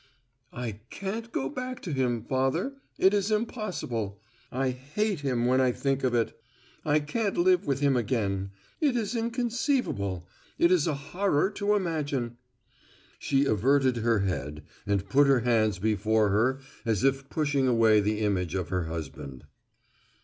"I can't go back to him, Father. It is impossible. I hate him when I think of it. I can't live with him again. It is inconceivable. It is a horror to imagine." She averted her head and put her hands before her as if pushing away the image of her husband.